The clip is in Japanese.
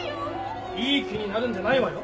いい気になるんじゃないわよ？